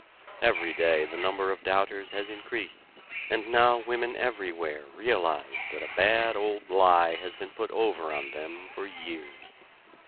Every day the number of doubters has increased, and now women everywhere realize that a bad old lie has been put over on them for years.